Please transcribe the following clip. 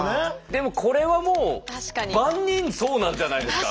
でもこれはもう万人そうなんじゃないですか？